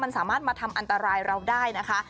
มันสามารถมาทำอันตรายเราได้นะคะ